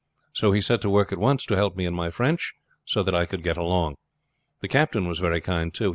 So he set to work at once to help me in my French, so that I could get along. The captain was very kind too.